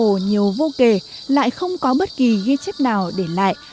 những lời then cổ nhiều vô kề lại không có bất kỳ ghi chép nào để lại